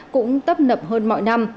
cũng tấp nập hơn mọi năm